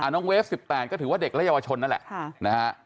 น้องเวฟ๑๘ก็ถือว่าเด็กและเยาวชนนั่นแหละนะฮะ